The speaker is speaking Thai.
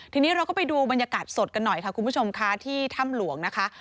ทีนี้เราก็ไปดูบรรยากาศสดกันหน่อยค่ะคุณผู้ชมค่ะที่ถ้ำหลวงนะคะ